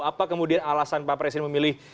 apa kemudian alasan pak presiden memilih